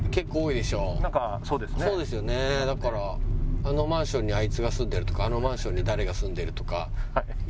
だから「あのマンションにあいつが住んでる」とか「あのマンションに誰が住んでる」とか言いながら。